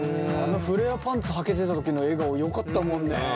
あのフレアパンツはけてた時の笑顔よかったもんね。